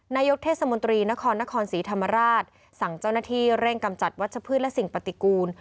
นายกเทศมนตรีนครนครศรีธรรมราชสั่งเจ้าหน้าที่เร่งกำจัดวัชพืชและสิ่งปฏิกูล